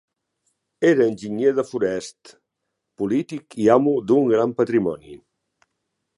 Era enginyer de forests, polític i amo d'un gran patrimoni.